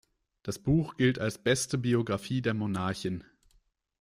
Das Buch gilt als beste Biographie der Monarchin.